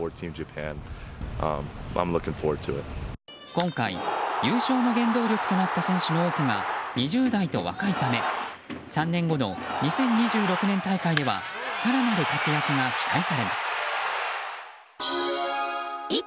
今回、優勝の原動力となった選手の多くが２０代と若いため３年後の２０２６年大会では更なる活躍が期待されます。